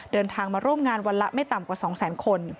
เดินทางมาร่วมงานวันละไม่ต่ำกว่า๒แสนคน